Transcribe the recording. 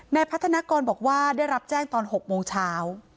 พัฒนากรบอกว่าได้รับแจ้งตอน๖โมงเช้า